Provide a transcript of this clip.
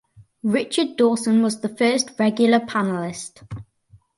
Richard Dawson was the first regular panelist.